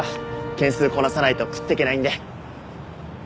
件数こなさないと食っていけないんで。